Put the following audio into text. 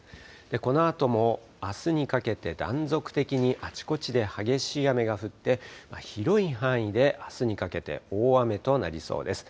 このあともあすにかけて断続的にあちこちで激しい雨が降って、広い範囲であすにかけて大雨となりそうです。